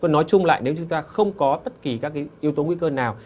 nói chung lại nếu chúng ta không có bất kỳ các yếu tố nguy cơ nào